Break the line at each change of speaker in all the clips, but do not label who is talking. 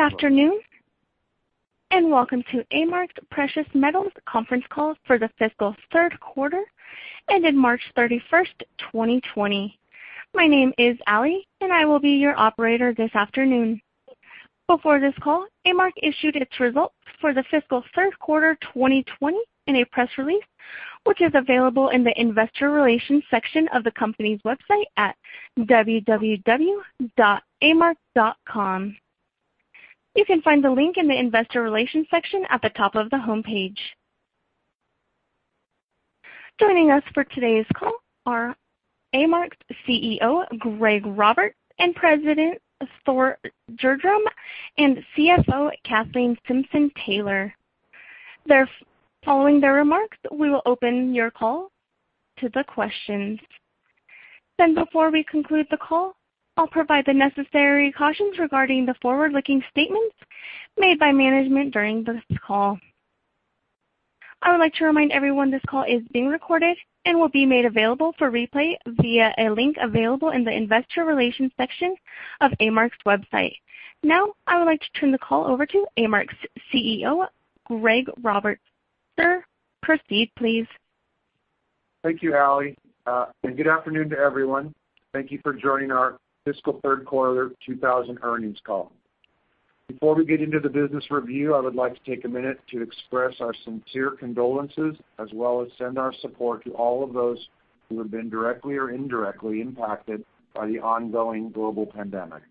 Good afternoon, and welcome to A-Mark Precious Metals' conference call for the fiscal third quarter ended March 31st, 2020. My name is Ally, and I will be your operator this afternoon. Before this call, A-Mark issued its results for the fiscal third quarter 2020 in a press release, which is available in the investor relations section of the company's website at www.amark.com. You can find the link in the investor relations section at the top of the homepage. Joining us for today's call are A-Mark's CEO, Greg Roberts, and President, Thor Gjerdrum, and CFO, Kathleen Simpson-Taylor. Following their remarks, we will open your call to the questions. Before we conclude the call, I'll provide the necessary cautions regarding the forward-looking statements made by management during this call. I would like to remind everyone this call is being recorded and will be made available for replay via a link available in the investor relations section of A-Mark's website. I would like to turn the call over to A-Mark's CEO, Greg Roberts. Sir, proceed, please.
Thank you, Ally. Good afternoon to everyone. Thank you for joining our Fiscal Third Quarter 2020 earnings call. Before we get into the business review, I would like to take a minute to express our sincere condolences as well as send our support to all of those who have been directly or indirectly impacted by the ongoing global pandemic.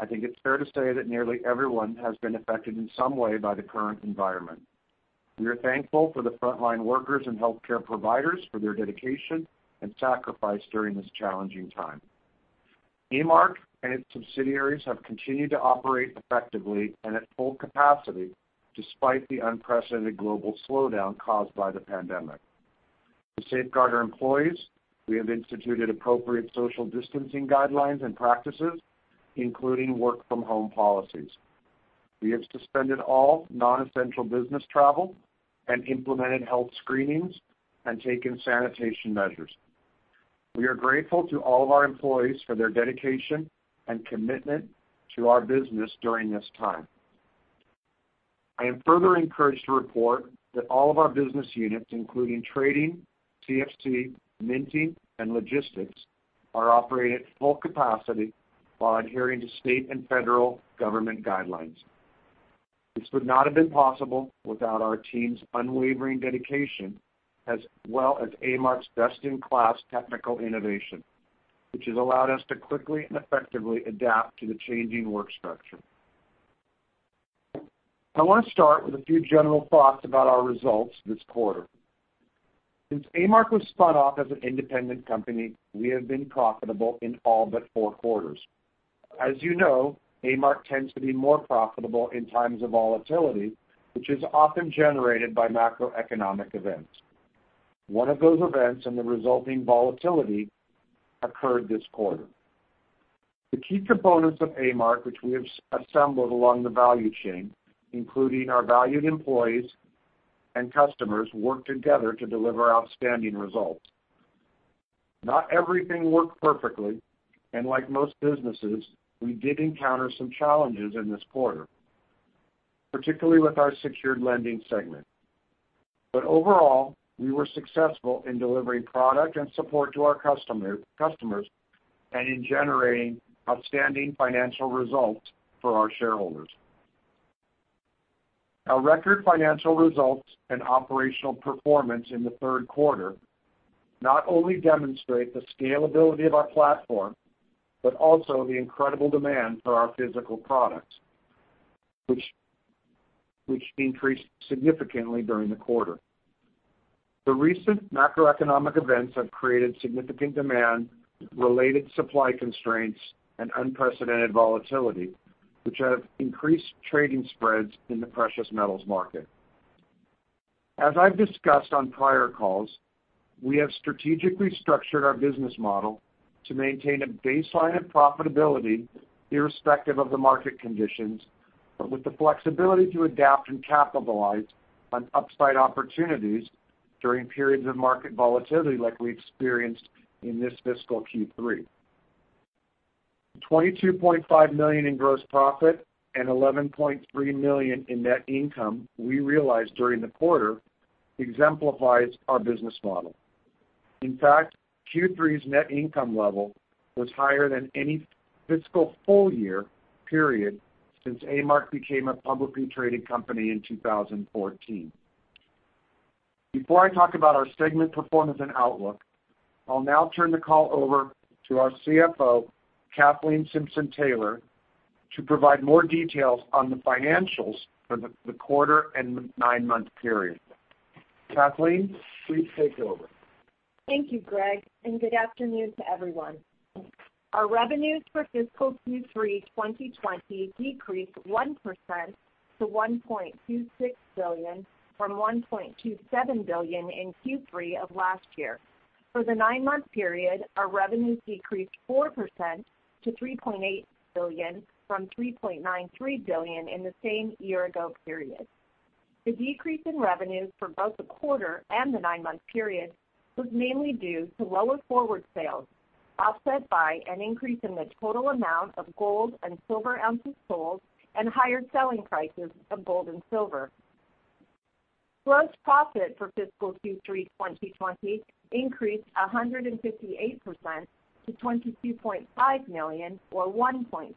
I think it's fair to say that nearly everyone has been affected in some way by the current environment. We are thankful for the frontline workers and healthcare providers for their dedication and sacrifice during this challenging time. A-Mark and its subsidiaries have continued to operate effectively and at full capacity despite the unprecedented global slowdown caused by the pandemic. To safeguard our employees, we have instituted appropriate social distancing guidelines and practices, including work from home policies. We have suspended all non-essential business travel and implemented health screenings and taken sanitation measures. We are grateful to all of our employees for their dedication and commitment to our business during this time. I am further encouraged to report that all of our business units, including trading, CFC, minting, and logistics, are operating at full capacity while adhering to state and federal government guidelines. This would not have been possible without our team's unwavering dedication as well as A-Mark's best-in-class technical innovation, which has allowed us to quickly and effectively adapt to the changing work structure. I want to start with a few general thoughts about our results this quarter. Since A-Mark was spun off as an independent company, we have been profitable in all but four quarters. As you know, A-Mark tends to be more profitable in times of volatility, which is often generated by macroeconomic events. One of those events and the resulting volatility occurred this quarter. The key components of A-Mark, which we have assembled along the value chain, including our valued employees and customers, work together to deliver outstanding results. Not everything worked perfectly, and like most businesses, we did encounter some challenges in this quarter, particularly with our Secured Lending segment. Overall, we were successful in delivering product and support to our customers and in generating outstanding financial results for our shareholders. Our record financial results and operational performance in the third quarter not only demonstrate the scalability of our platform, but also the incredible demand for our physical products, which increased significantly during the quarter. The recent macroeconomic events have created significant demand, related supply constraints, and unprecedented volatility, which have increased trading spreads in the precious metals market. As I've discussed on prior calls, we have strategically structured our business model to maintain a baseline of profitability irrespective of the market conditions, but with the flexibility to adapt and capitalize on upside opportunities during periods of market volatility like we experienced in this fiscal Q3. $22.5 million in gross profit and $11.3 million in net income we realized during the quarter exemplifies our business model. In fact, Q3's net income level was higher than any fiscal full year period since A-Mark became a publicly traded company in 2014. Before I talk about our segment performance and outlook, I'll now turn the call over to our CFO, Kathleen Simpson-Taylor, to provide more details on the financials for the quarter and nine-month period. Kathleen, please take over.
Thank you, Greg. Good afternoon to everyone. Our revenues for fiscal Q3 2020 decreased 1% to $1.26 billion from $1.27 billion in Q3 of last year. For the nine-month period, our revenues decreased 4% to $3.8 billion from $3.93 billion in the same year ago period. The decrease in revenue for both the quarter and the nine-month period was mainly due to lower forward sales, offset by an increase in the total amount of gold and silver ounces sold and higher selling prices of gold and silver. Gross profit for fiscal Q3 2020 increased 158% to $22.5 million or 1.79%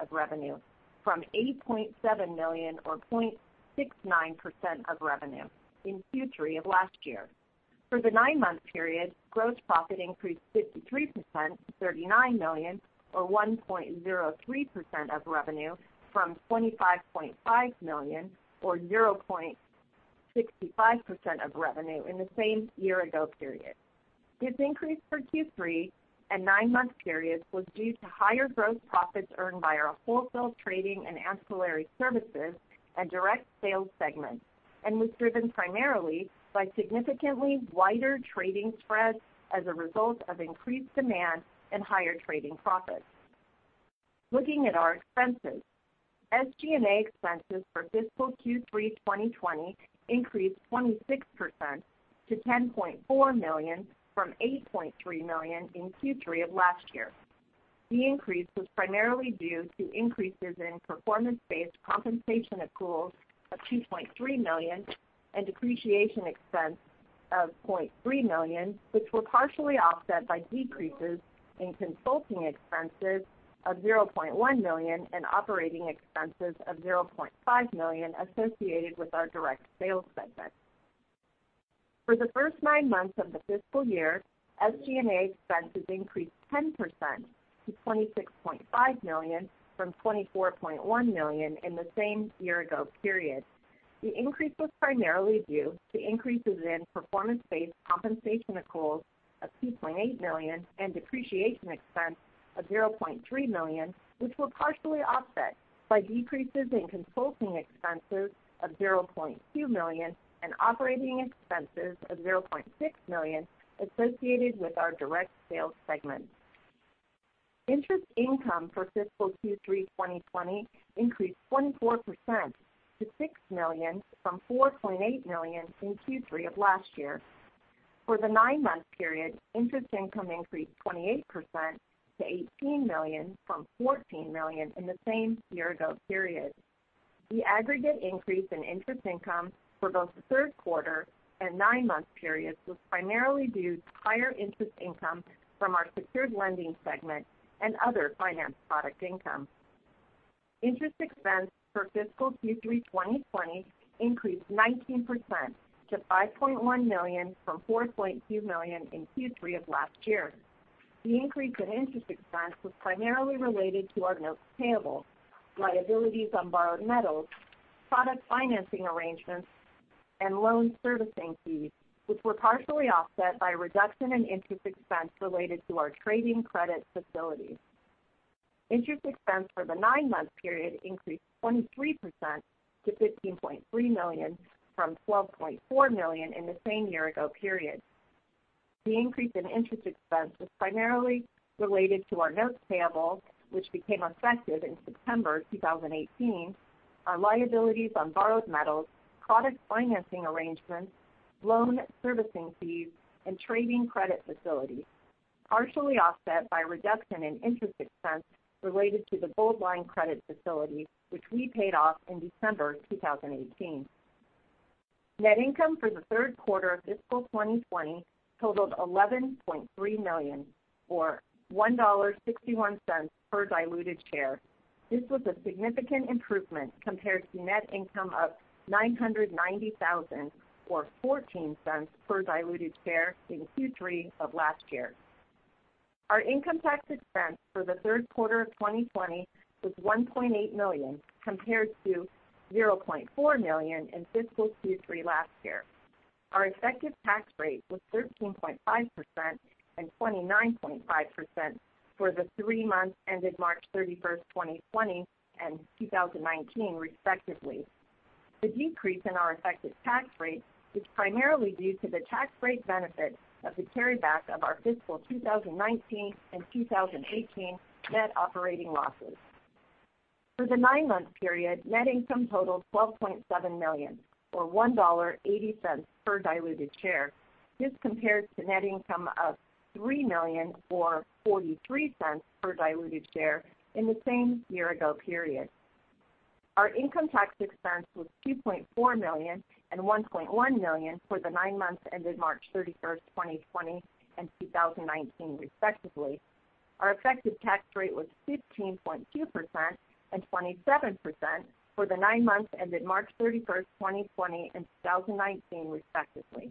of revenue from $8.7 million or 0.69% of revenue in Q3 of last year. For the nine-month period, gross profit increased 53% to $39 million or 1.03% of revenue from $25.5 million or 0.65% of revenue in the same year ago period. This increase for Q3 and nine-month periods was due to higher gross profits earned by our Wholesale Trading & Ancillary Services and Direct Sales segments and was driven primarily by significantly wider trading spreads as a result of increased demand and higher trading profits. Looking at our expenses, SG&A expenses for fiscal Q3 2020 increased 26% to $10.4 million from $8.3 million in Q3 of last year. The increase was primarily due to increases in performance-based compensation accruals of $2.3 million and depreciation expense of $0.3 million, which were partially offset by decreases in consulting expenses of $0.1 million and operating expenses of $0.5 million associated with our Direct Sales segment. For the first nine months of the fiscal year, SG&A expenses increased 10% to $26.5 million from $24.1 million in the same year ago period. The increase was primarily due to increases in performance-based compensation accruals of $2.8 million and depreciation expense of $0.3 million, which were partially offset by decreases in consulting expenses of $0.2 million and operating expenses of $0.6 million associated with our Direct Sales segment. Interest income for fiscal Q3 2020 increased 24% to $6 million from $4.8 million in Q3 of last year. For the nine-month period, interest income increased 28% to $18 million from $14 million in the same year ago period. The aggregate increase in interest income for both the third quarter and nine-month periods was primarily due to higher interest income from our Secured Lending segment and other finance product income. Interest expense for fiscal Q3 2020 increased 19% to $5.1 million from $4.2 million in Q3 of last year. The increase in interest expense was primarily related to our notes payable, liabilities on borrowed metals, product financing arrangements, and loan servicing fees, which were partially offset by a reduction in interest expense related to our trading credit facility. Interest expense for the nine-month period increased 23% to $15.3 million from $12.4 million in the same year ago period. The increase in interest expense was primarily related to our notes payable, which became effective in September 2018, our liabilities on borrowed metals, product financing arrangements, loan servicing fees, and trading credit facility, partially offset by a reduction in interest expense related to the Goldline credit facility, which we paid off in December 2018. Net income for the third quarter of fiscal 2020 totaled $11.3 million or $1.61 per diluted share. This was a significant improvement compared to net income of $990,000 or $0.14 per diluted share in Q3 of last year. Our income tax expense for the third quarter of 2020 was $1.8 million compared to $0.4 million in fiscal Q3 last year. Our effective tax rate was 13.5% and 29.5% for the three months ended March 31st, 2020 and 2019 respectively. The decrease in our effective tax rate is primarily due to the tax break benefit of the carryback of our fiscal 2019 and 2018 net operating losses. For the nine-month period, net income totaled $12.7 million or $1.80 per diluted share. This compares to net income of $3 million or $0.43 per diluted share in the same year ago period. Our income tax expense was $2.4 million and $1.1 million for the nine months ended March 31st, 2020 and 2019 respectively. Our effective tax rate was 15.2% and 27% for the nine months ended March 31, 2020 and 2019 respectively.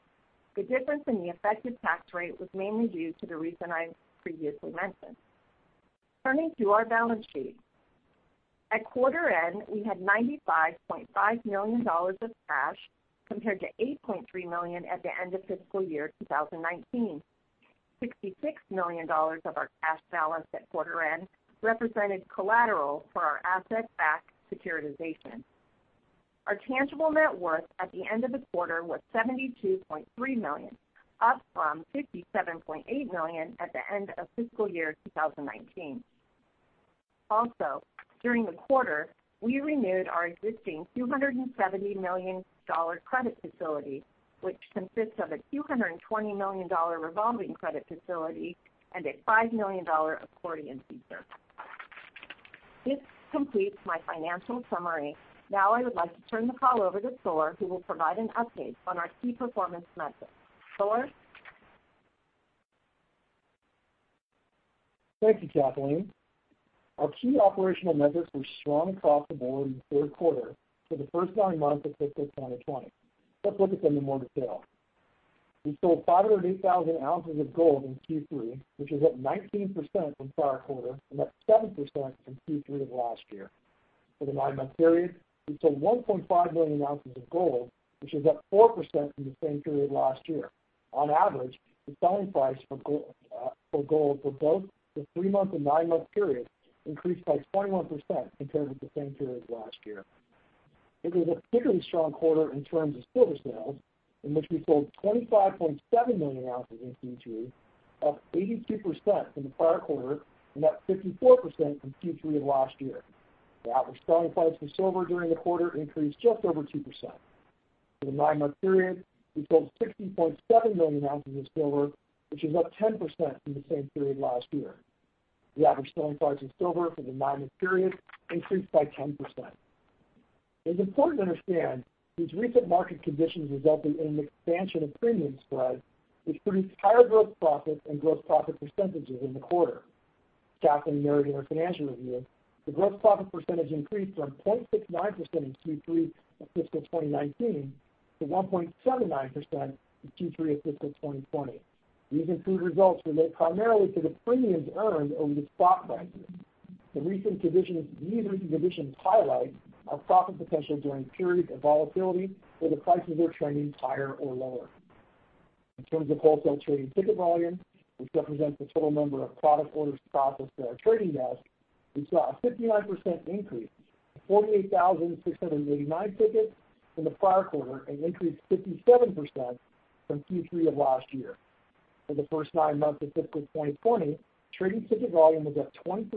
The difference in the effective tax rate was mainly due to the reason I previously mentioned. Turning to our balance sheet. At quarter end, we had $95.5 million of cash compared to $8.3 million at the end of fiscal year 2019. $66 million of our cash balance at quarter end represented collateral for our asset-backed securitization. Our tangible net worth at the end of the quarter was $72.3 million, up from $57.8 million at the end of fiscal year 2019. Also, during the quarter, we renewed our existing $270 million credit facility, which consists of a $220 million revolving credit facility and a $5 million accordion feature. This completes my financial summary. Now I would like to turn the call over to Thor, who will provide an update on our key performance metrics. Thor?
Thank you, Kathleen. Our key operational metrics were strong across the board in the third quarter for the first nine months of fiscal 2020. Let's look at them in more detail. We sold 508,000 ounces of gold in Q3, which is up 19% from prior quarter and up 7% from Q3 of last year. For the nine-month period, we sold 1.5 million ounces of gold, which is up 4% from the same period last year. On average, the selling price for gold for both the three-month and nine-month period increased by 21% compared with the same period last year. It was a particularly strong quarter in terms of silver sales, in which we sold 25.7 million ounces in Q3, up 82% from the prior quarter and up 54% from Q3 of last year. The average selling price for silver during the quarter increased just over 2%. For the nine-month period, we sold 60.7 million ounces of silver, which is up 10% from the same period last year. The average selling price of silver for the nine-month period increased by 10%. It is important to understand these recent market conditions resulting in an expansion of premium spreads, which produced higher gross profit and gross profit percentages in the quarter. As Kathleen noted in her financial review, the gross profit percentage increased from 0.69% in Q3 of fiscal 2019 to 1.79% in Q3 of fiscal 2020. These improved results relate primarily to the premiums earned over the spot prices. These recent conditions highlight our profit potential during periods of volatility where the prices are trending higher or lower. In terms of wholesale trading ticket volume, which represents the total number of product orders processed by our trading desk, we saw a 59% increase to 48,689 tickets from the prior quarter, and increased 57% from Q3 of last year. For the first nine months of fiscal 2020, trading ticket volume was up 20%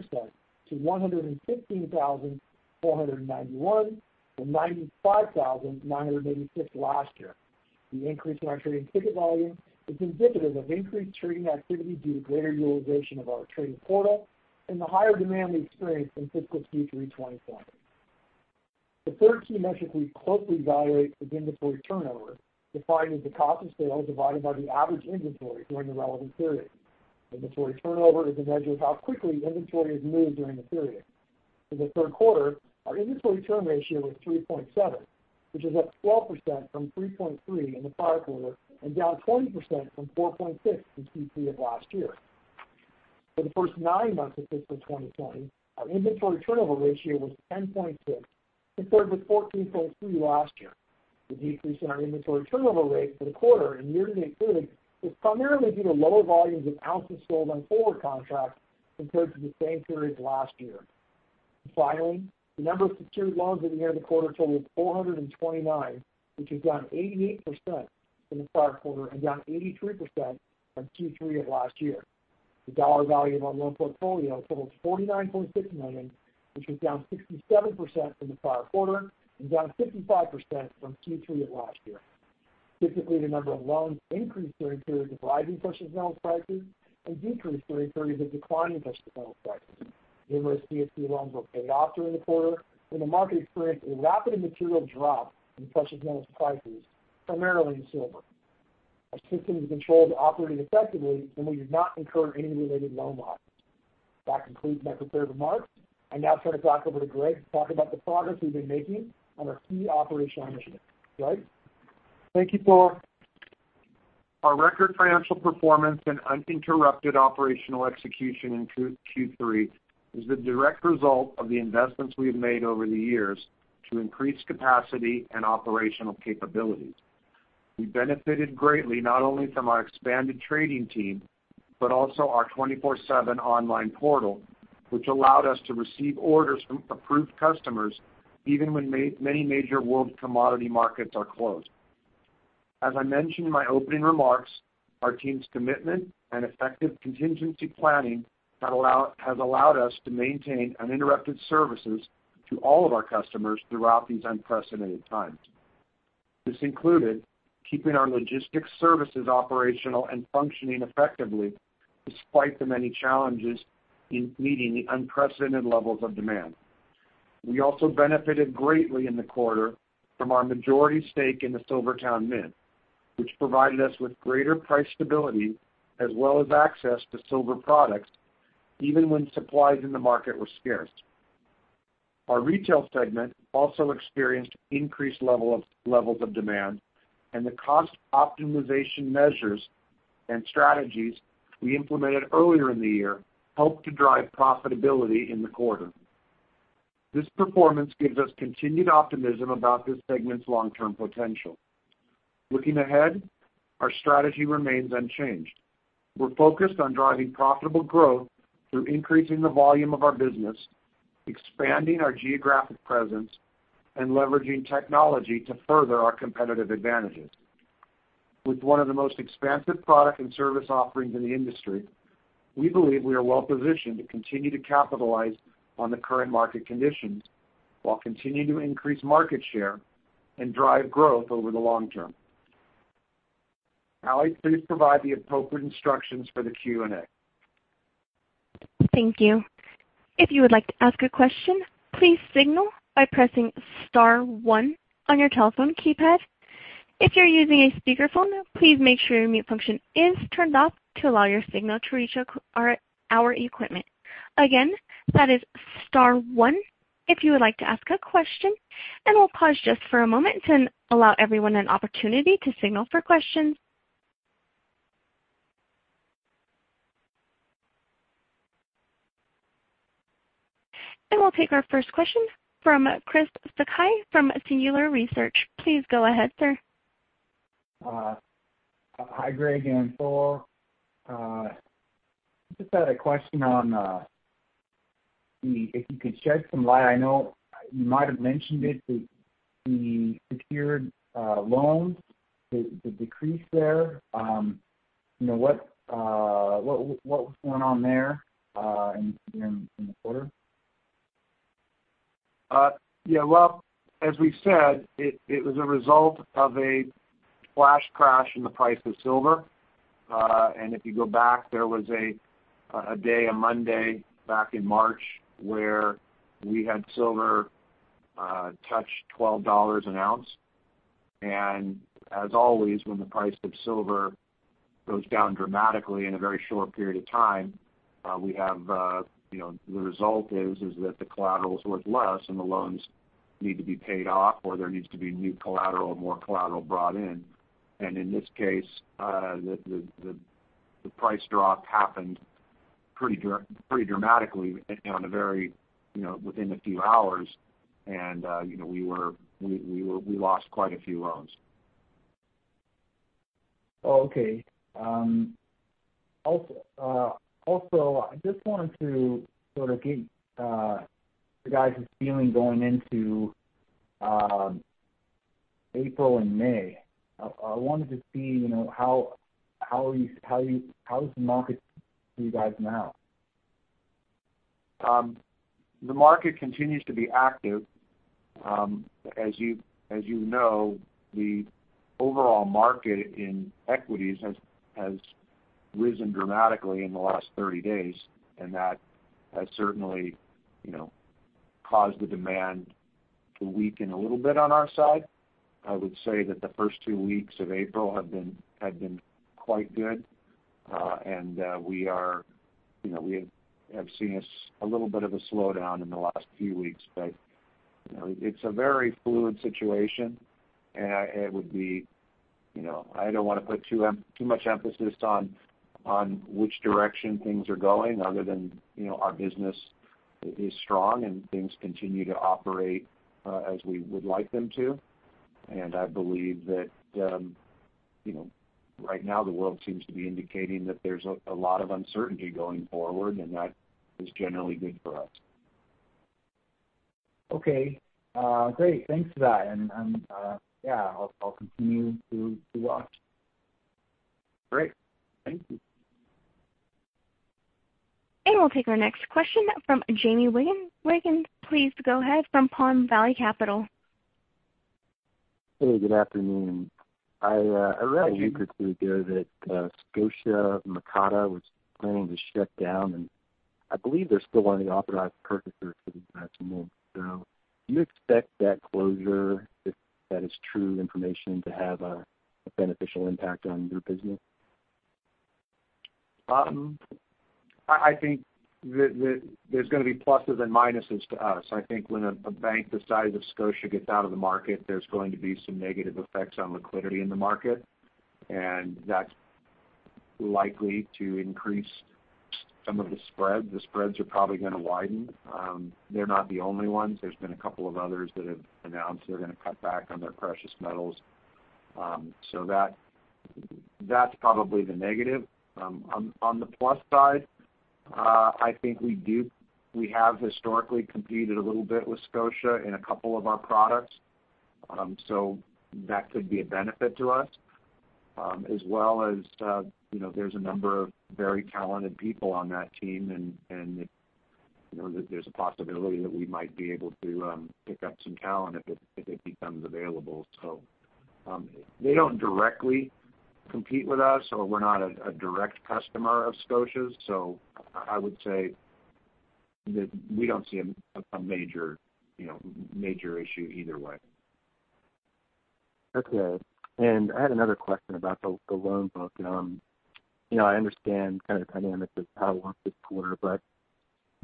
to 115,491 from 95,986 last year. The increase in our trading ticket volume is indicative of increased trading activity due to greater utilization of our trading portal and the higher demand we experienced in fiscal Q3 2020. The third key metric we closely evaluate is inventory turnover, defined as the cost of sales divided by the average inventory during the relevant period. Inventory turnover is a measure of how quickly inventory is moved during the period. In the third quarter, our inventory turn ratio was 3.7, which is up 12% from 3.3 in the prior quarter, and down 20% from 4.6 in Q3 of last year. For the first nine months of fiscal 2020, our inventory turnover ratio was 10.6, compared with 14.3 last year. The decrease in our inventory turnover rate for the quarter and year to date is primarily due to lower volumes of ounces sold on forward contracts compared to the same period last year. Finally, the number of secured loans at the end of the quarter totaled 429, which is down 88% from the prior quarter and down 83% from Q3 of last year. The dollar value of our loan portfolio totals $49.6 million, which is down 67% from the prior quarter and down 55% from Q3 of last year. Typically, the number of loans increase during periods of rising precious metal prices and decrease during periods of declining precious metal prices. Numerous CFC loans were paid off during the quarter when the market experienced a rapid and material drop in precious metal prices, primarily in silver. Our systems and controls operating effectively, and we did not incur any related loan losses. That concludes my prepared remarks. I now turn the call over to Greg to talk about the progress we've been making on our key operational initiatives. Greg?
Thank you, Thor. Our record financial performance and uninterrupted operational execution in Q3 is the direct result of the investments we have made over the years to increase capacity and operational capabilities. We benefited greatly not only from our expanded trading team, but also our 24/7 online portal, which allowed us to receive orders from approved customers even when many major world commodity markets are closed. As I mentioned in my opening remarks, our team's commitment and effective contingency planning has allowed us to maintain uninterrupted services to all of our customers throughout these unprecedented times. This included keeping our logistics services operational and functioning effectively despite the many challenges in meeting the unprecedented levels of demand. We also benefited greatly in the quarter from our majority stake in the SilverTowne Mint, which provided us with greater price stability as well as access to silver products even when supplies in the market were scarce. Our retail segment also experienced increased levels of demand, and the cost optimization measures and strategies we implemented earlier in the year helped to drive profitability in the quarter. This performance gives us continued optimism about this segment's long-term potential. Looking ahead, our strategy remains unchanged. We're focused on driving profitable growth through increasing the volume of our business, expanding our geographic presence, and leveraging technology to further our competitive advantages. With one of the most expansive product and service offerings in the industry, we believe we are well positioned to continue to capitalize on the current market conditions while continuing to increase market share and drive growth over the long term. Ally, please provide the appropriate instructions for the Q&A.
Thank you. If you would like to ask a question, please signal by pressing star one on your telephone keypad. If you're using a speakerphone, please make sure your mute function is turned off to allow your signal to reach our equipment. Again, that is star one if you would like to ask a question. We'll pause just for a moment and allow everyone an opportunity to signal for questions. We'll take our first question from Chris Sakai from Singular Research. Please go ahead, sir.
Hi, Greg and Thor. Just had a question on, if you could shed some light. I know you might have mentioned it, the secured loans, the decrease there. What was going on there in the quarter?
Yeah. Well, as we've said, it was a result of a flash crash in the price of silver. If you go back, there was a day, a Monday back in March, where we had silver touch $12 an ounce. As always, when the price of silver goes down dramatically in a very short period of time, the result is that the collateral's worth less and the loans need to be paid off, or there needs to be new collateral or more collateral brought in. In this case, the price drop happened pretty dramatically within a few hours. We lost quite a few loans.
Okay. I just wanted to sort of get you guys' feeling going into April and May. I wanted to see how is the market for you guys now?
The market continues to be active. As you know, the overall market in equities has risen dramatically in the last 30 days, and that has certainly caused the demand to weaken a little bit on our side. I would say that the first two weeks of April had been quite good. We have seen a little bit of a slowdown in the last few weeks, but it's a very fluid situation, and I don't want to put too much emphasis on which direction things are going other than our business is strong and things continue to operate as we would like them to. I believe that right now the world seems to be indicating that there's a lot of uncertainty going forward, and that is generally good for us.
Okay. Great. Thanks for that. Yeah, I'll continue to watch.
Great. Thank you.
We'll take our next question from Jayme Wiggins. Please go ahead from Palm Valley Capital.
Hey, good afternoon.
Hi, Jayme.
[I read in the news] yesterday that ScotiaMocatta was planning to shut down, and I believe they're still one of the Authorized Purchasers for the last month. Do you expect that closure, if that is true information, to have a beneficial impact on your business?
I think there's going to be pluses and minuses to us. I think when a bank the size of Scotia gets out of the market, there's going to be some negative effects on liquidity in the market, and that's likely to increase some of the spread. The spreads are probably going to widen. They're not the only ones. There's been a couple of others that have announced they're going to cut back on their precious metals. That's probably the negative. On the plus side, I think we have historically competed a little bit with Scotia in a couple of our products. That could be a benefit to us. As well as there's a number of very talented people on that team, and there's a possibility that we might be able to pick up some talent if it becomes available. They don't directly compete with us, so we're not a direct customer of Scotia's. I would say that we don't see a major issue either way.
Okay. I had another question about the loan book. I understand kind of the dynamics of how it worked this quarter, but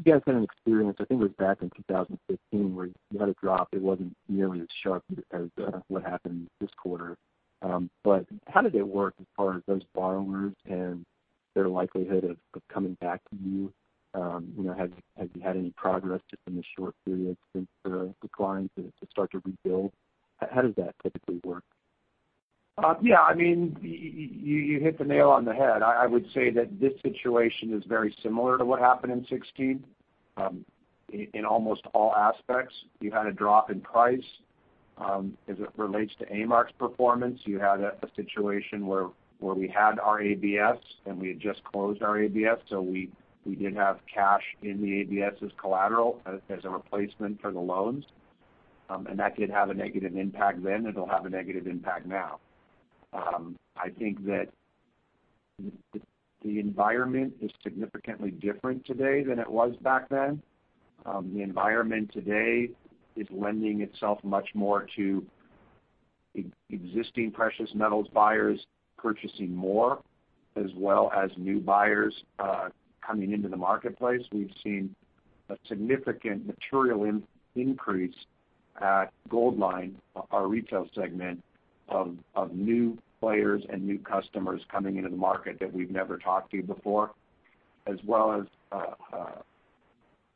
you guys had an experience, I think it was back in 2015, where you had a drop. It wasn't nearly as sharp as what happened this quarter. How did it work as far as those borrowers and their likelihood of coming back to you? Have you had any progress just in this short period since the decline to start to rebuild? How does that typically work?
Yeah, you hit the nail on the head. I would say that this situation is very similar to what happened in 2016. In almost all aspects. You had a drop in price. As it relates to A-Mark's performance, you had a situation where we had our ABS and we had just closed our ABS, so we did have cash in the ABS as collateral, as a replacement for the loans. That did have a negative impact then, and it'll have a negative impact now. I think that the environment is significantly different today than it was back then. The environment today is lending itself much more to existing precious metals buyers purchasing more, as well as new buyers coming into the marketplace. We've seen a significant material increase at Goldline, our retail segment, of new players and new customers coming into the market that we've never talked to before, as well as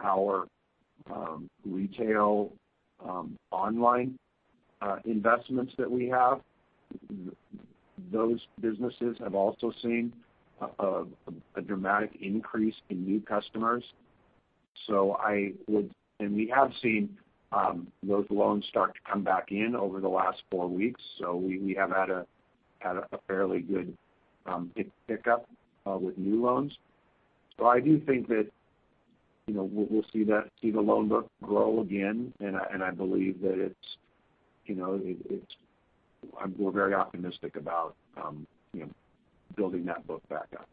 our retail online investments that we have. Those businesses have also seen a dramatic increase in new customers. We have seen those loans start to come back in over the last four weeks. We have had a fairly good pick up with new loans. I do think that we'll see the loan book grow again, and I believe that we're very optimistic about building that book back up.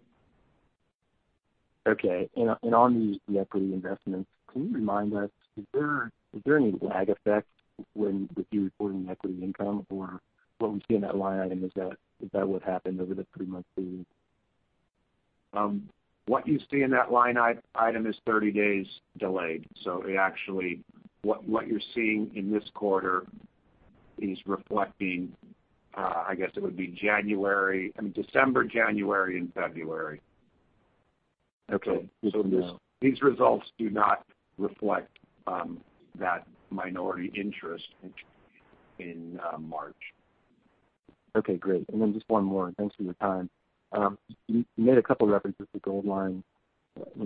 Okay. On the equity investments, can you remind us, is there any lag effect with you reporting equity income, or what we see in that line item, is that what happened over the three-month period?
What you see in that line item is 30 days delayed. It actually, what you're seeing in this quarter is reflecting, I guess it would be December, January, and February.
Okay.
These results do not reflect that minority interest in March.
Okay, great. Then just one more. Thanks for your time. You made a couple references to Goldline.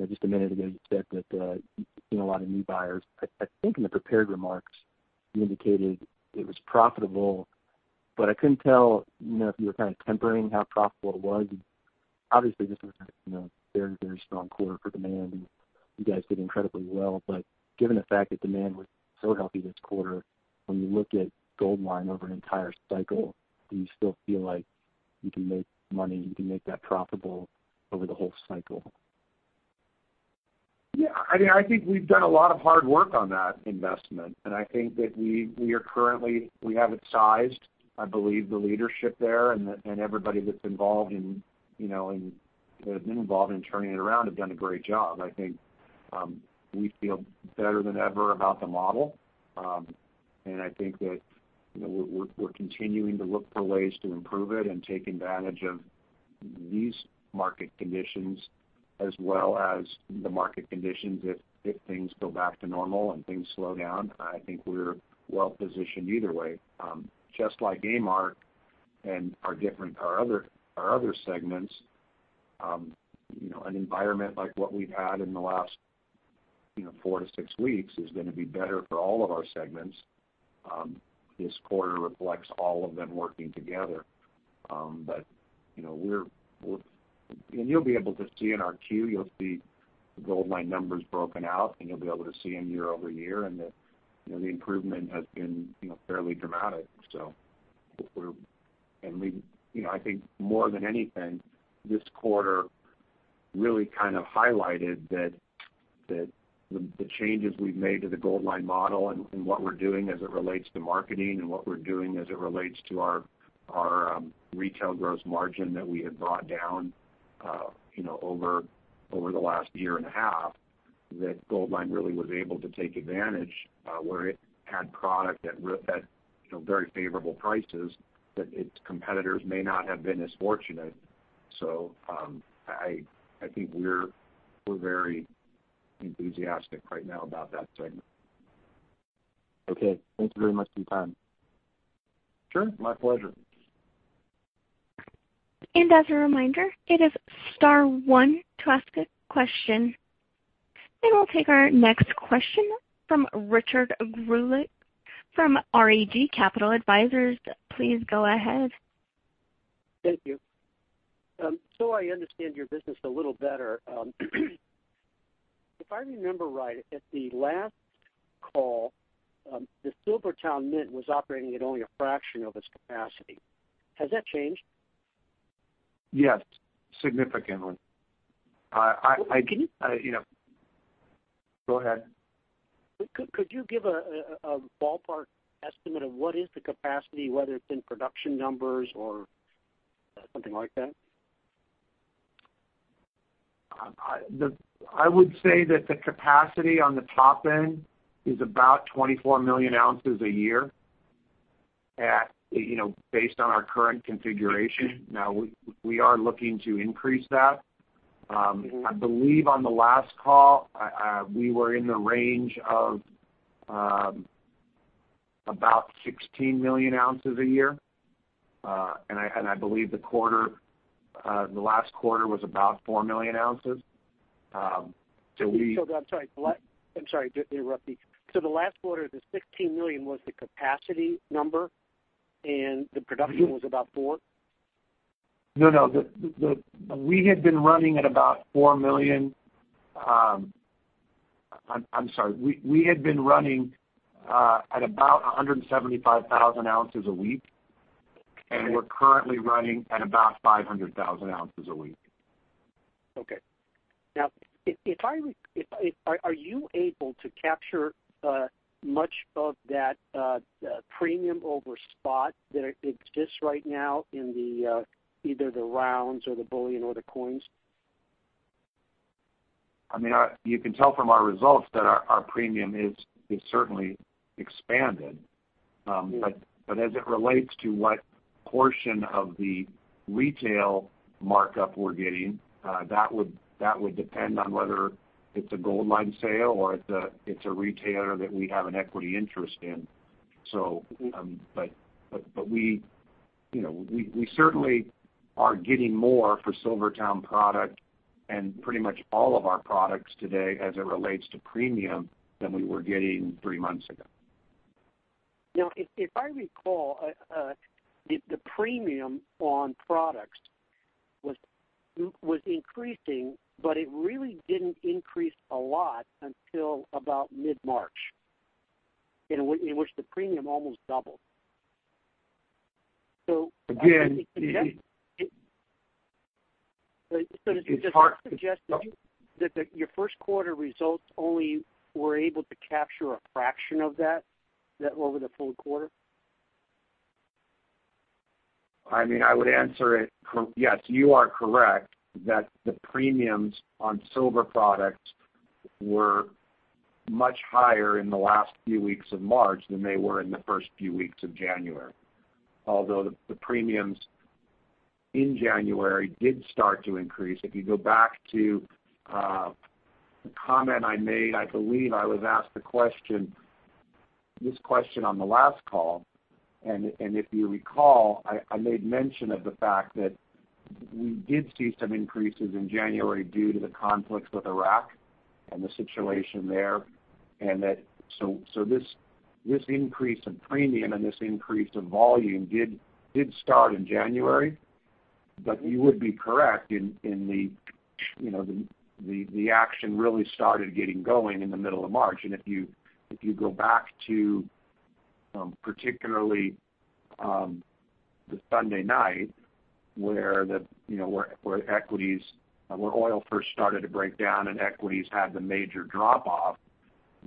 Just a minute ago, you said that you're seeing a lot of new buyers. I think in the prepared remarks, you indicated it was profitable, but I couldn't tell if you were kind of tempering how profitable it was. Obviously, this was a very strong quarter for demand, and you guys did incredibly well. Given the fact that demand was so healthy this quarter, when you look at Goldline over an entire cycle, do you still feel like you can make money, you can make that profitable over the whole cycle?
Yeah. I think we've done a lot of hard work on that investment, and I think that we have it sized. I believe the leadership there and everybody that's been involved in turning it around have done a great job. I think we feel better than ever about the model. I think that we're continuing to look for ways to improve it and take advantage of these market conditions as well as the market conditions if things go back to normal and things slow down. I think we're well-positioned either way. Just like A-Mark and our other segments, an environment like what we've had in the last four to six weeks is going to be better for all of our segments. This quarter reflects all of them working together. You'll be able to see in our queue, you'll see Goldline numbers broken out, and you'll be able to see them year-over-year, and the improvement has been fairly dramatic. I think more than anything, this quarter really kind of highlighted that the changes we've made to the Goldline model and what we're doing as it relates to marketing and what we're doing as it relates to our retail gross margin that we had brought down over the last year and a half, that Goldline really was able to take advantage where it had product at very favorable prices that its competitors may not have been as fortunate. I think we're very enthusiastic right now about that segment.
Okay. Thank you very much for your time.
Sure. My pleasure.
As a reminder, it is star one to ask a question. We'll take our next question from Richard Greulich from REG Capital Advisors. Please go ahead.
Thank you. I understand your business a little better, if I remember right, at the last call, the SilverTowne Mint was operating at only a fraction of its capacity. Has that changed?
Yes, significantly.
Could you-
Go ahead.
Could you give a ballpark estimate of what is the capacity, whether it's in production numbers or something like that?
I would say that the capacity on the top end is about 24 million ounces a year based on our current configuration. We are looking to increase that. I believe on the last call, we were in the range of about 16 million ounces a year. I believe the last quarter was about four million ounces.
I'm sorry to interrupt you. The last quarter, the 16 million was the capacity number, and the production was about four?
No. We had been running at about 175,000 ounces a week, and we're currently running at about 500,000 ounces a week.
Are you able to capture much of that premium over spot that exists right now in either the rounds or the bullion or the coins?
You can tell from our results that our premium has certainly expanded. As it relates to what portion of the retail markup we're getting, that would depend on whether it's a Goldline sale or it's a retailer that we have an equity interest in. We certainly are getting more for SilverTowne product and pretty much all of our products today as it relates to premium than we were getting three months ago.
If I recall, the premium on products was increasing, but it really didn't increase a lot until about mid-March, in which the premium almost doubled.
Again.
Does that suggest that your first quarter results only were able to capture a fraction of that over the full quarter?
I would answer it, yes, you are correct that the premiums on silver products were much higher in the last few weeks of March than they were in the first few weeks of January. Although the premiums in January did start to increase. If you go back to the comment I made, I believe I was asked this question on the last call, and if you recall, I made mention of the fact that we did see some increases in January due to the conflicts with Iraq and the situation there, this increase in premium and this increase in volume did start in January. You would be correct in the action really started getting going in the middle of March, and if you go back to particularly the Sunday night where oil first started to break down and equities had the major drop-off,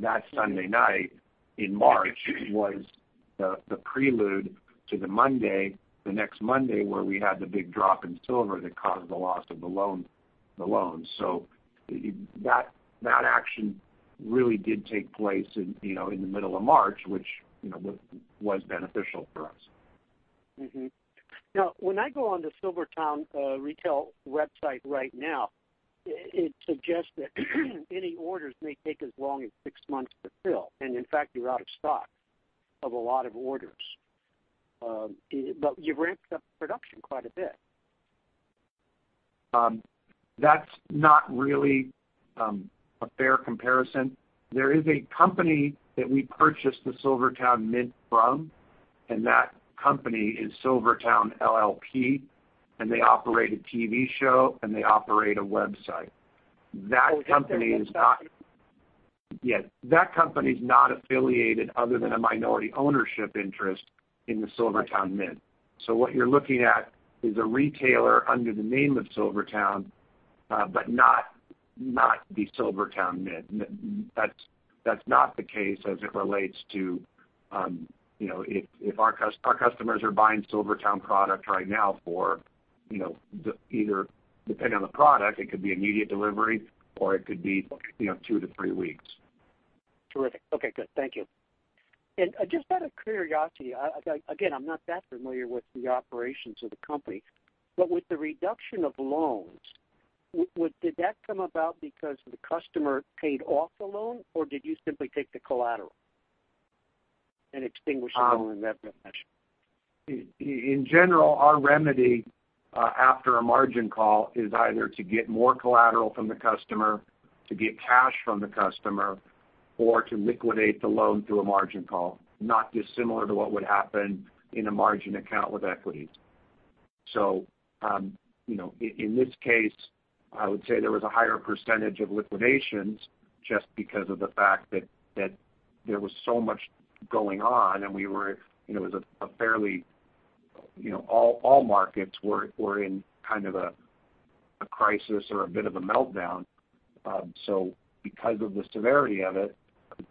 that Sunday night in March was the prelude to the next Monday where we had the big drop in silver that caused the loss of the loans. That action really did take place in the middle of March, which was beneficial for us.
Now, when I go onto SilverTowne retail website right now, it suggests that any orders may take as long as six months to fill, and in fact, you're out of stock of a lot of orders. You've ramped up production quite a bit.
That's not really a fair comparison. There is a company that we purchased the SilverTowne Mint from, and that company is SilverTowne LP, and they operate a TV show, and they operate a website. Yes. That company is not affiliated other than a minority ownership interest in the SilverTowne Mint. What you're looking at is a retailer under the name of SilverTowne but not the SilverTowne Mint. That's not the case as it relates to if our customers are buying SilverTowne product right now for either, depending on the product, it could be immediate delivery or it could be two to three weeks.
Terrific. Okay, good. Thank you. Just out of curiosity, again, I'm not that familiar with the operations of the company, but with the reduction of loans, did that come about because the customer paid off the loan or did you simply take the collateral and extinguish the loan in that fashion?
In general, our remedy after a margin call is either to get more collateral from the customer, to get cash from the customer or to liquidate the loan through a margin call, not dissimilar to what would happen in a margin account with equities. In this case, I would say there was a higher percentage of liquidations just because of the fact that there was so much going on and all markets were in kind of a crisis or a bit of a meltdown. Because of the severity of it, I would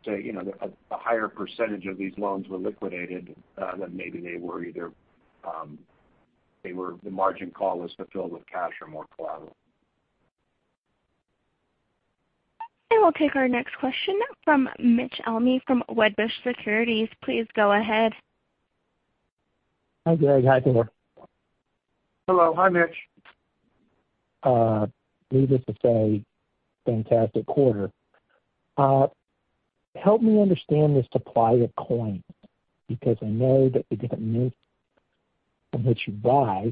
say a higher percentage of these loans were liquidated than maybe they were either the margin call was fulfilled with cash or more collateral.
We'll take our next question from Mitch Almy from Wedbush Securities. Please go ahead.
Hi, Greg. Hi there.
Hello. Hi, Mitch.
Needless to say, fantastic quarter. Help me understand the supply of coin, because I know that the different mints from which you buy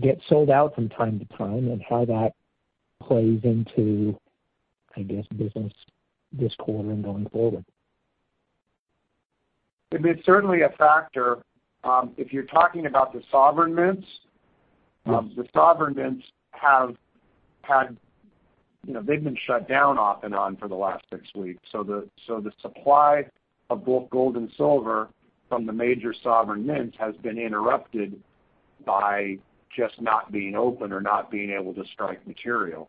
get sold out from time to time and how that plays into, I guess, business this quarter and going forward?
It's certainly a factor. If you're talking about the sovereign mints. The sovereign mints have been shut down off and on for the last 6 weeks. The supply of both gold and silver from the major sovereign mints has been interrupted by just not being open or not being able to strike material.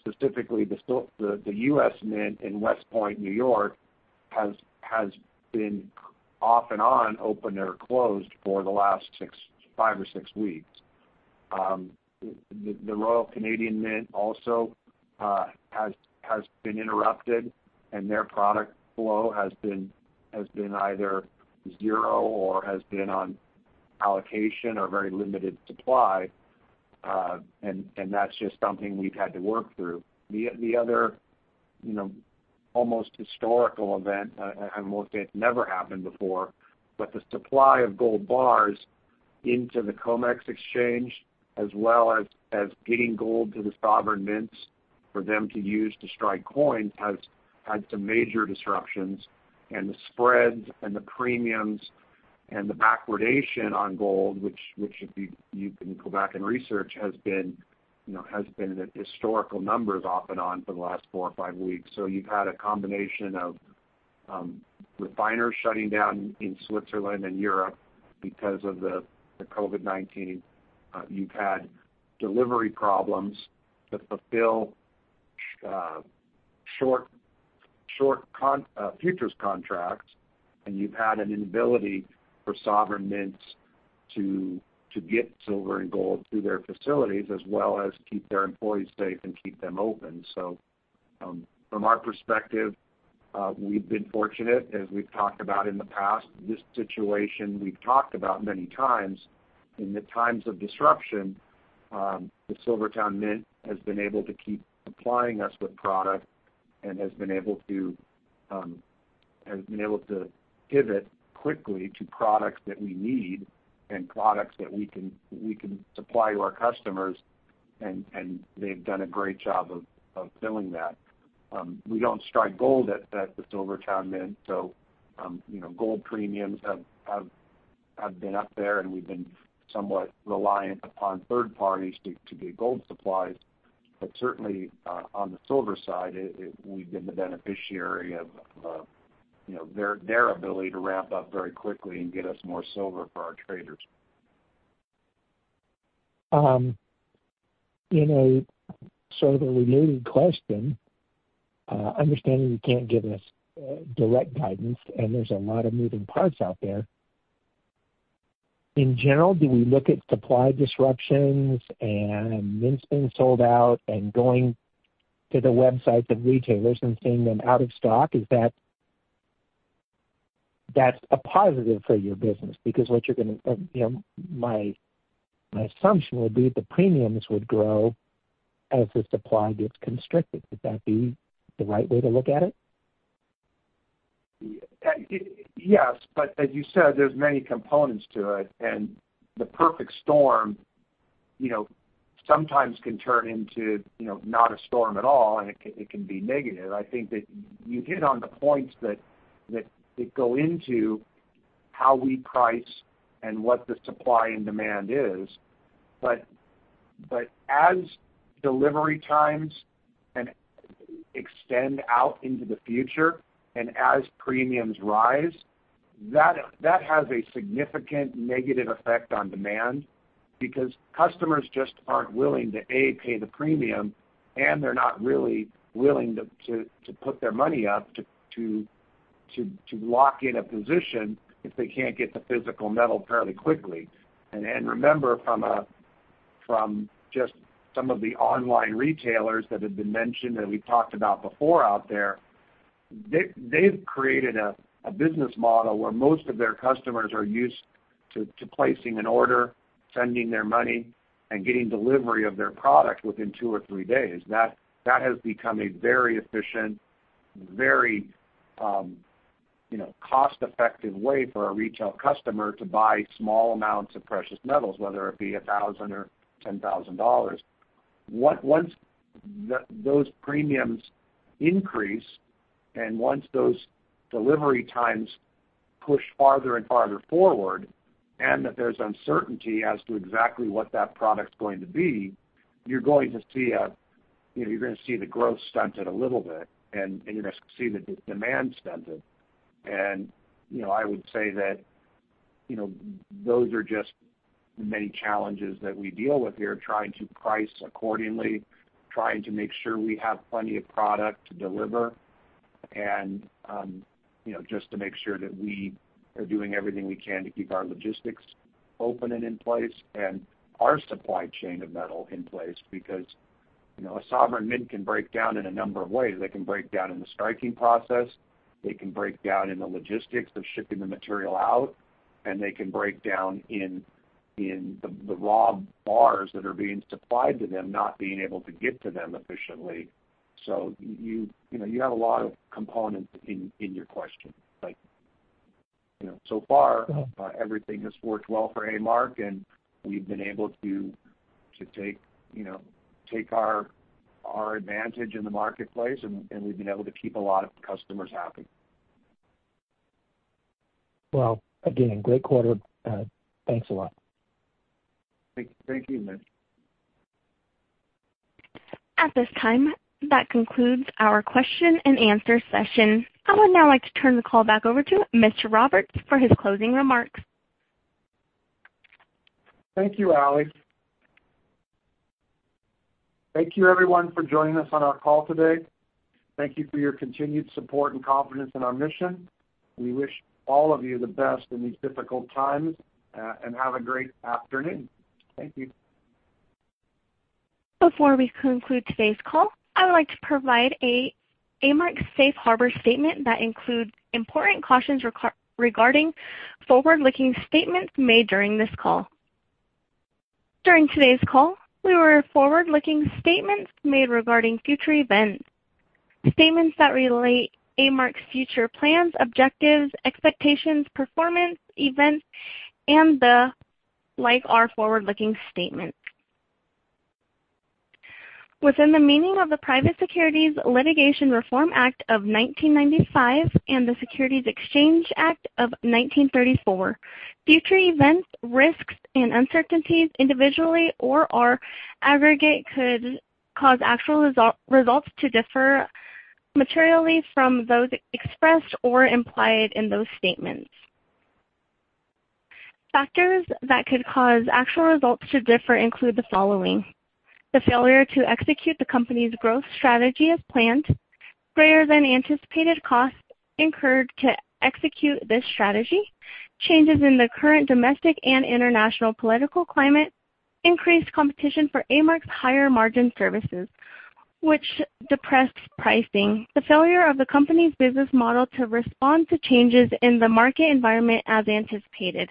Specifically, the U.S. Mint in West Point, New York, has been off and on open or closed for the last five or six weeks. The Royal Canadian Mint also has been interrupted, and their product flow has been either zero or has been on allocation or very limited supply. That's just something we've had to work through. The other almost historical event, almost it never happened before, but the supply of gold bars into the COMEX exchange as well as getting gold to the sovereign mints for them to use to strike coins has had some major disruptions, and the spreads and the premiums and the backwardation on gold, which you can go back and research, has been in historical numbers off and on for the last four or five weeks. You've had a combination of refiners shutting down in Switzerland and Europe because of the COVID-19. You've had delivery problems to fulfill short futures contracts, and you've had an inability for sovereign mints to get silver and gold through their facilities, as well as keep their employees safe and keep them open. From our perspective, we've been fortunate, as we've talked about in the past. This situation we've talked about many times. In the times of disruption, the SilverTowne Mint has been able to keep supplying us with product and has been able to pivot quickly to products that we need and products that we can supply to our customers, and they've done a great job of filling that. We don't strike gold at the SilverTowne Mint, so gold premiums have been up there, and we've been somewhat reliant upon third parties to get gold supplies. Certainly, on the silver side, we've been the beneficiary of their ability to ramp up very quickly and get us more silver for our traders.
In a sort of a related question, understanding you can't give us direct guidance, and there's a lot of moving parts out there, in general, do we look at supply disruptions and mints being sold out and going to the websites of retailers and seeing them out of stock, is that a positive for your business? Because my assumption would be the premiums would grow as the supply gets constricted. Would that be the right way to look at it?
Yes, as you said, there's many components to it, and the perfect storm sometimes can turn into not a storm at all, and it can be negative. I think that you hit on the points that go into how we price and what the supply and demand is. As delivery times extend out into the future, and as premiums rise, that has a significant negative effect on demand because customers just aren't willing to, A, pay the premium, and they're not really willing to put their money up to lock in a position if they can't get the physical metal fairly quickly. Remember from just some of the online retailers that have been mentioned that we've talked about before out there, they've created a business model where most of their customers are used to placing an order, sending their money, and getting delivery of their product within two or three days. That has become a very efficient, very cost-effective way for a retail customer to buy small amounts of precious metals, whether it be $1,000 or $10,000. Once those premiums increase and once those delivery times push farther and farther forward and that there's uncertainty as to exactly what that product's going to be, you're going to see the growth stunted a little bit, and you're going to see the demand stunted. I would say that those are just many challenges that we deal with here, trying to price accordingly, trying to make sure we have plenty of product to deliver and just to make sure that we are doing everything we can to keep our logistics open and in place and our supply chain of metal in place because a sovereign mint can break down in a number of ways. They can break down in the striking process, they can break down in the logistics of shipping the material out, and they can break down in the raw bars that are being supplied to them not being able to get to them efficiently. You have a lot of components in your question. So far, everything has worked well for A-Mark, and we've been able to take our advantage in the marketplace, and we've been able to keep a lot of customers happy.
Well, again, great quarter. Thanks a lot.
Thank you, Mitch.
At this time, that concludes our question-and-answer session. I would now like to turn the call back over to Mr. Roberts for his closing remarks.
Thank you, Ally. Thank you everyone for joining us on our call today. Thank you for your continued support and confidence in our mission. We wish all of you the best in these difficult times, and have a great afternoon. Thank you.
Before we conclude today's call, I would like to provide A-Mark's safe harbor statement that includes important cautions regarding forward-looking statements made during this call. During today's call, we read forward-looking statements made regarding future events. Statements that relate A-Mark's future plans, objectives, expectations, performance, events, and the like are forward-looking statements. Within the meaning of the Private Securities Litigation Reform Act of 1995 and the Securities Exchange Act of 1934, future events, risks, and uncertainties, individually or aggregate, could cause actual results to differ materially from those expressed or implied in those statements. Factors that could cause actual results to differ include the following: The failure to execute the company's growth strategy as planned, greater than anticipated costs incurred to execute this strategy, changes in the current domestic and international political climate, increased competition for A-Mark's higher margin services, which depresses pricing, the failure of the company's business model to respond to changes in the market environment as anticipated,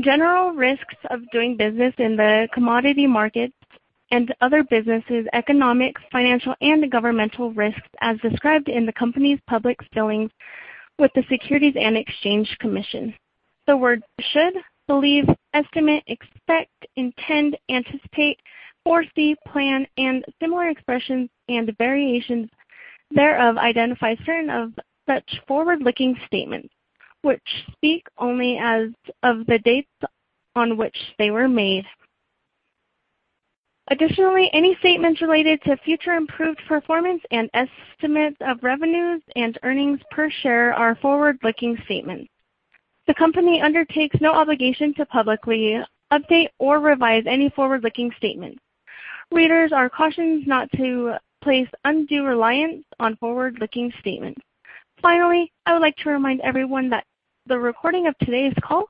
general risks of doing business in the commodity markets and other businesses, economics, financial, and governmental risks as described in the company's public filings with the Securities and Exchange Commission. The word should, believe, estimate, expect, intend, anticipate, foresee, plan, and similar expressions and variations thereof identify certain of such forward-looking statements, which speak only as of the dates on which they were made. Additionally, any statements related to future improved performance and estimates of revenues and earnings per share are forward-looking statements. The company undertakes no obligation to publicly update or revise any forward-looking statements. Readers are cautioned not to place undue reliance on forward-looking statements. Finally, I would like to remind everyone that the recording of today's call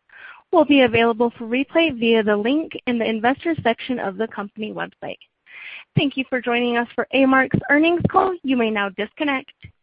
will be available for replay via the link in the investors section of the company website. Thank you for joining us for A-Mark's earnings call. You may now disconnect.